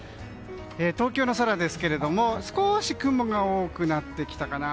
東京の空ですけども少し雲が多くなってきたかな。